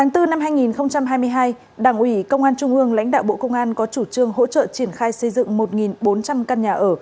tháng bốn năm hai nghìn hai mươi hai đảng ủy công an trung ương lãnh đạo bộ công an có chủ trương hỗ trợ triển khai xây dựng một bốn trăm linh căn nhà ở